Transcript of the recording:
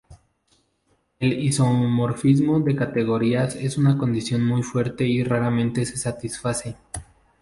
El isomorfismo de categorías es una condición muy fuerte y raramente se satisface.